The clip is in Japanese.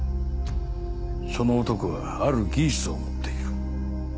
その男がある技術を持っている。